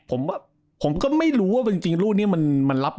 ผมก็ไม่รู้ว่าจริงรูปนี่มันรับยาก